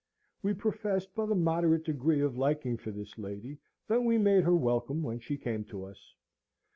We professed but a moderate degree of liking for this lady, though we made her welcome when she came to us.